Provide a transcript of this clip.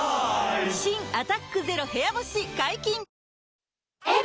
新「アタックＺＥＲＯ部屋干し」解禁‼